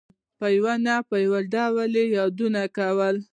په یوه نه یو ډول یې یادونه کوله.